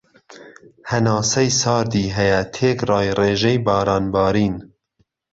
هەناسەی ساردی هەیە تێکرای رێژەی باران بارین